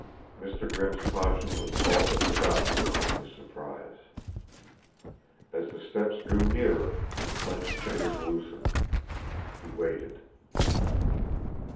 Mr. Grimm's caution was all but forgotten in his surprise. As the steps drew nearer his clenched fingers loosened; he waited.